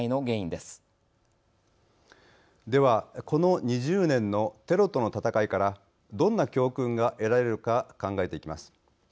では、この２０年のテロとの戦いからどんな教訓が得られるか考えていきます。